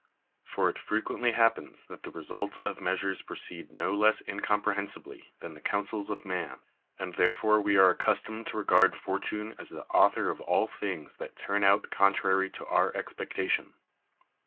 For it fre quently happens that the results of measures proceed no k'ss incomprehcnsilily than the coun sels of man; and therefore we are accustomed to regard fortune as the author of all things that turn out contrary to our expectation.